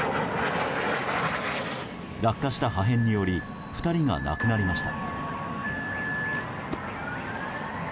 落下した破片により２人が亡くなりました。